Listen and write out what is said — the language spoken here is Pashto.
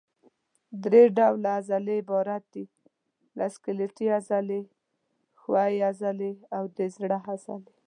درې ډوله عضلې عبارت دي له سکلیټي عضلې، ښویې عضلې او د زړه عضله.